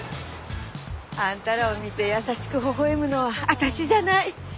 あんたらを見て優しくほほ笑むのは私じゃない。